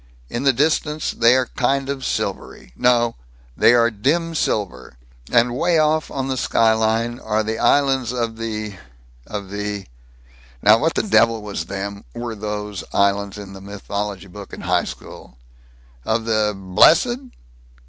In the distance they are kind of silvery no they are dim silver; and way off on the skyline are the Islands of the of the Now what the devil was them, were those, islands in the mythology book in high school? Of the Blessed?